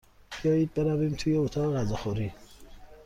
بیایید برویم توی اتاق غذاخوری.